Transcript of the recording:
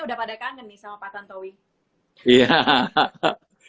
udah pada kangen nih sama pak tantowi